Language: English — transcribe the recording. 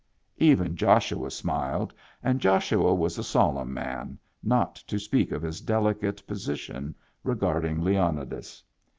Even Joshua smiled, and Joshua was a solemn man, not to speak of his delicate position regard ing Leonidas.